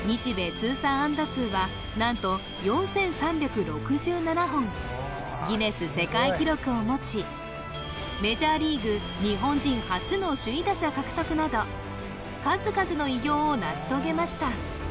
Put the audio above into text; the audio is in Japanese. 通算安打数は何と４３６７本ギネス世界記録を持ちメジャーリーグ日本人初の首位打者獲得など数々の偉業を成し遂げました